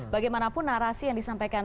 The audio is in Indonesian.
bagaimanapun narasi yang disampaikan